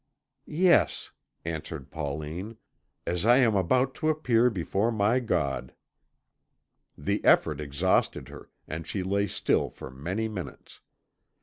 "Yes," answered Pauline, "as I am about to appear before my God!" The effort exhausted her, and she lay still for many minutes.